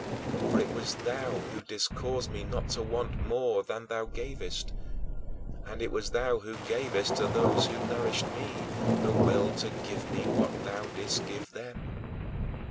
For it was thou who didst cause me not to want more than thou gavest and it was thou who gavest to those who nourished me the will to give me what thou didst give them.